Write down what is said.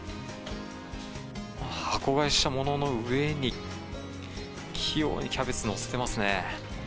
箱買いしたものの上に、器用にキャベツ載せてますね。